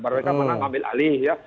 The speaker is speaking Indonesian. baru mereka menang ambil alih ya